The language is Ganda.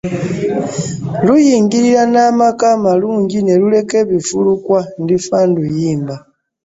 Luyingirira n’amaka amalungi ne luleka ebifulukwa ndifa nduyimba.